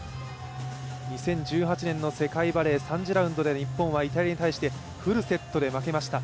２０１８年の世界バレー３次ラウンドで日本はイタリアに対してフルセットで負けました。